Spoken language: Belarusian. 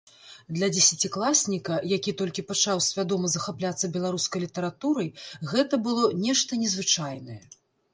Для дзесяцікласніка, які толькі пачаў свядома захапляцца беларускай літаратурай, гэта было нешта незвычайнае.